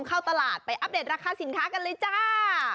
เข้าตลาดไปอัปเดตราคาสินค้ากันเลยจ้า